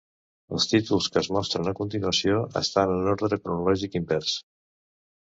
Els títols que es mostren a continuació estan en ordre cronològic invers.